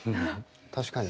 確かに。